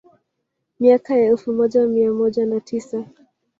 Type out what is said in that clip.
Miaka ya elfu moja mia moja na tisa